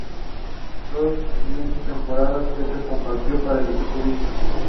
Former Akbayan representative Walden Bello was eventually chosen to be his running mate.